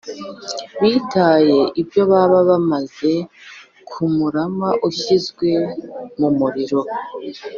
Bitaye ibyo baba bameze nk’umurama ushyizwe mu muriro.